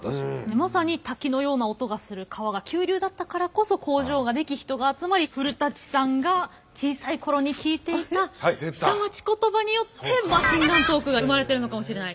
まさに滝のような音がする川が急流だったからこそ工場が出来人が集まり古さんが小さい頃に聞いていた下町言葉によってマシンガントークが生まれてるのかもしれない。